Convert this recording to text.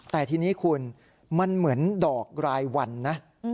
แต่ทีนี้คุณมันเหมือนดอกรายวันนะ